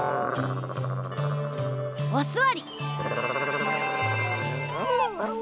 おすわり！